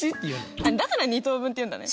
だから２等分っていうんだね。